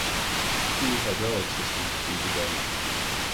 Two hydraulic systems feed the gun.